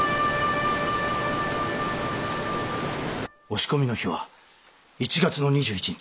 押し込みの日は１月の２１日。